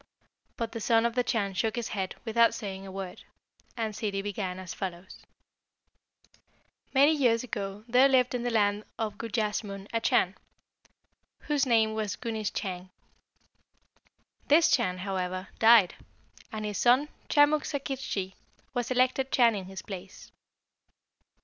But the Son of the Chan shook his head without saying a word, and Ssidi began as follows: "Many years ago there lived in the land of Gujassmunn a Chan, whose name was Gunisschang. This Chan, however, died, and his son Chamuk Sakiktschi was elected Chan in his place.